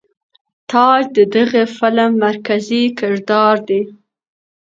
تاج د دغه فلم مرکزي کردار دے.